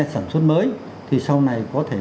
sản xuất mới thì sau này có thể